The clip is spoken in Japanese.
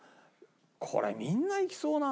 これみんないきそうなんだよな。